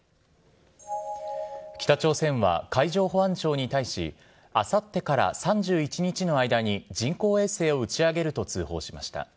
北朝鮮は、海上保安庁に対し、あさってから３１日の間に人工衛星を打ち上げると通報しました。